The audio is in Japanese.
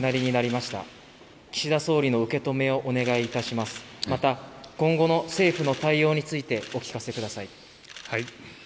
また今後の政府の対応についてお聞かせください。